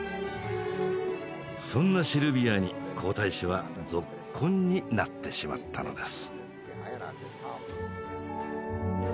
そんなシルビアに皇太子はぞっこんになってしまったのです。